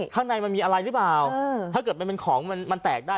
ข้างในมันมีอะไรหรือเปล่าถ้าเกิดมันเป็นของมันมันแตกได้